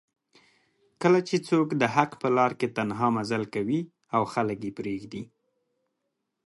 کله چې څوک دحق په لار کې تنها مزل کوي او خلک یې پریږدي